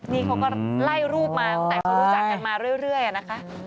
นี่เขาก็ไล่รูปมาตั้งแต่เขารู้จักกันมาเรื่อยนะคะ